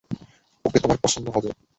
ওকে তোমার পছন্দ হবে।